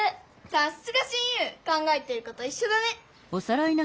さっすが親友考えてることいっしょだね。